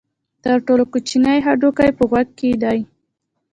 تر ټولو کوچنی هډوکی په غوږ کې دی.